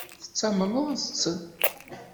Tettamneḍ-tt?